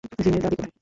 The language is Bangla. জিমের দাদি কোথায়?